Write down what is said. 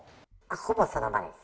ほぼその場です。